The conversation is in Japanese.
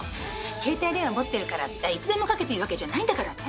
携帯電話持ってるからっていつでもかけていいわけじゃないんだからね。